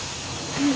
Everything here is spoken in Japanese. うん。